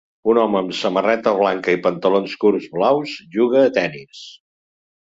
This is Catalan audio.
Un home amb samarreta blanca i pantalons curts blaus juga a tennis.